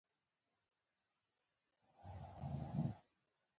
د مور اپريشن وسو.